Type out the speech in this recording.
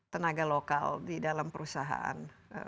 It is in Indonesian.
tenaga lokal di dalam perusahaan